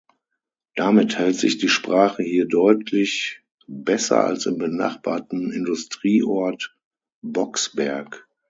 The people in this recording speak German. Damit hält sich die Sprache hier deutlich besser als im benachbarten Industrieort Boxberg.